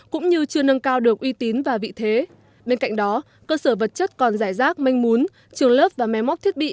cũng như chưa nâng cao được uy tín và vị thế bên cạnh đó cơ sở vật chất còn giải rác manh mún trường lớp và máy móc thiết bị